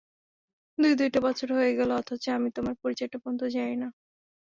দুই-দুইটা বছর হয়ে গেলো, অথচ আমি তোমার পরিচয়টা পর্যন্ত জানি না।